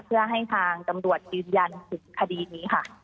เพื่อให้ทางตำรวจยืนยันถึงคดีนี้ค่ะ